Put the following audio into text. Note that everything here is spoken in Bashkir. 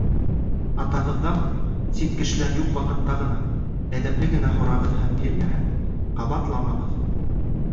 Атағыҙҙан, сит кешеләр юҡ ваҡытта ғына, әҙәпле генә һорағыҙ һәм бирмәһә, ҡабатламағыҙ.